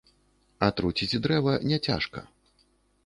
Атруціць дрэва не цяжка.